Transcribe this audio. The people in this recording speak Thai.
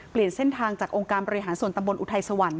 เปลี่ยนเส้นทางจากองค์การบริหารส่วนตำบลอุทัยสวรรค